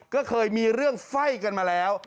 ก็เคยมีเรื่องไฟ่กันมาแล้ว